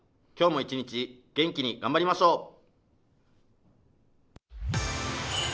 今日も一日、元気に頑張りましょう。